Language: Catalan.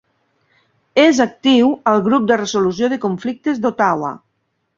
És actiu al Grup de Resolució de Conflictes d'Ottawa.